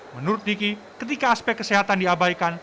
menurut diki ketika aspek kesehatan diabaikan